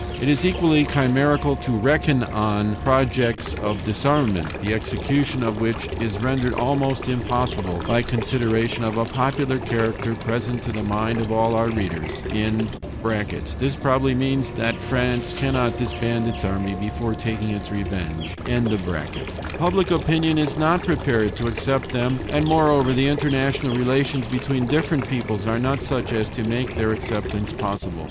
"It is equally chimerical to reckon on projects of disarmament, the execution of which is rendered almost impossible by considerations of a popular character present to the mind of all our readers. [This probably means that France cannot disband its army before taking its revenge.] Public opinion is not prepared to accept them, and moreover, the international relations between different peoples are not such as to make their acceptance possible.